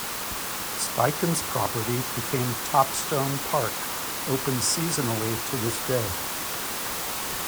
Steichen's property became Topstone Park, open seasonally to this day.